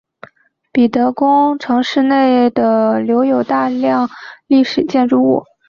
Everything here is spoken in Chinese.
彼得宫城市内的留有大量历史建筑物。